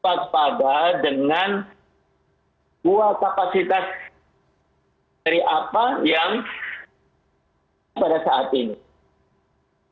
waspada dengan dua kapasitas dari apa yang pada saat ini